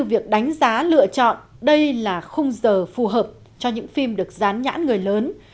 việc đánh giá lựa chọn đây là khung giờ phù hợp cho những phim được dán nhãn người lớn